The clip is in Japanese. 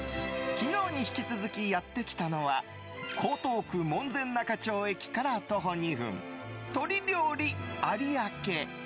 昨日に引き続きやってきたのは江東区門前仲町駅から徒歩２分鳥料理有明。